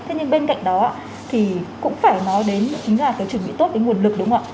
thế nhưng bên cạnh đó thì cũng phải nói đến chính là cái chuẩn bị tốt cái nguồn lực đúng không ạ